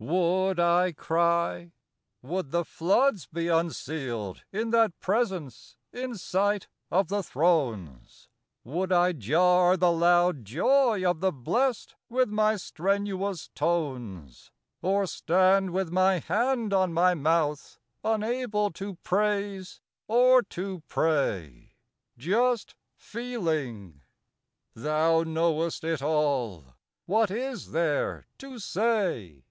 Would I cry ? Would the floods be unsealed In that Presence, in sight of the Thrones ? 4 6 PARTED. Would I jar the loud joy of the blest With my strenuous tones ? Or stand with my hand on my mouth Unable to praise or to pray : Just feeling ," Thou knowest it all, What is there to say